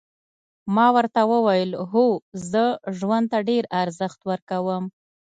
ما ورته وویل هو زه ژوند ته ډېر ارزښت ورکوم.